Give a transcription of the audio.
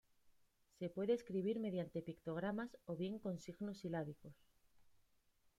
Se puede escribir mediante pictogramas o bien con signos silábicos.